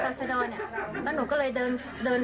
เพราะแกนั่งถูกข้ามหนูพี่กับชะดอเนี่ย